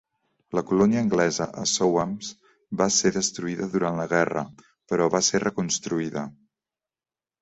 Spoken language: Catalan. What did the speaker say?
La colònia anglesa a Sowams va ser destruïda durant la guerra, però va ser reconstruïda.